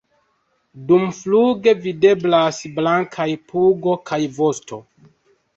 Dumfluge videblas blankaj pugo kaj vosto.